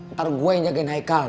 ntar gue yang jagain heikal